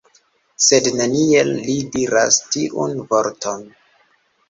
Sed neniel li diras tiun vorton!